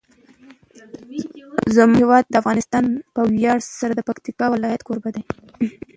زموږ هیواد افغانستان په ویاړ سره د پکتیکا ولایت کوربه دی.